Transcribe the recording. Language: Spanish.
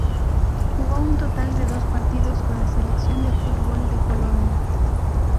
Jugó un total de dos partidos con la selección de fútbol de Polonia.